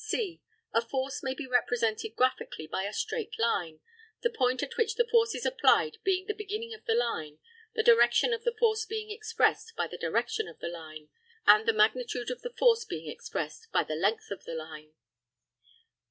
(c) A force may be represented graphically by a straight line the point at which the force is applied being the beginning of the line; the direction of the force being expressed by the direction of the line; and the magnitude of the force being expressed by the length of the line.